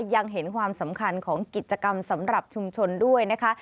ยังเห็นความสำคัญของกิจกรรมสำหรับชุมชนด้วยนะคะ